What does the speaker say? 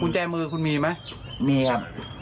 แจมือคุณมีไหมมีครับ